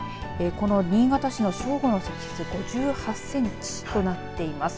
新潟市の正午の積雪５８センチとなっています。